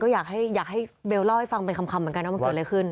อยากให้เบลเล่าให้ฟังเป็นคำเหมือนกันว่ามันเกิดอะไรขึ้น